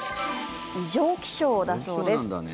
異常気象だそうです。